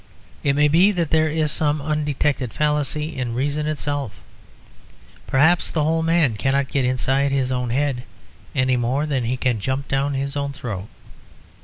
It may be that there is some undetected fallacy in reason itself. Perhaps the whole man cannot get inside his own head any more than he can jump down his own throat.